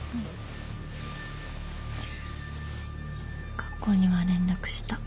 学校には連絡した。